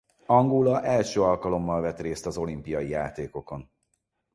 Angola első alkalommal vett részt az olimpiai játékokon.